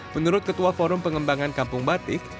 menurut ketua forum pengembangan kampung batik